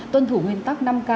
tuân thủ nguyên tắc năm k